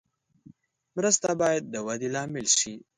مرسته باید د ودې لامل شي.